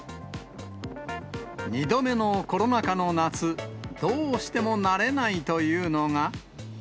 ２度目のコロナ禍の夏、どうしても慣れないというのが。